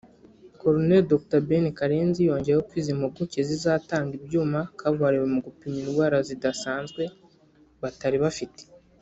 Col Dr Ben Karenzi yongeyeho ko izi mpuguke zizatanga ibyuma kabuhariwe mu gupima indwara zidasanzwe batari bafite